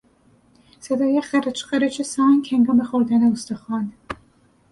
صدای قرچ قرچ سگ هنگام خوردن استخوان